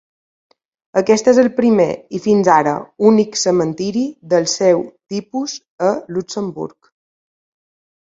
Aquest és el primer i fins ara únic cementiri del seu tipus a Luxemburg.